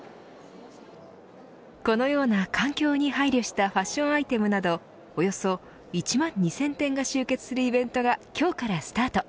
このような環境に配慮したファッションアイテムなどおよそ１万２０００点が集結するイベントが今日からスタート。